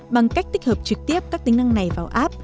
bằng cách tích hợp trực tiếp các tính năng này vào app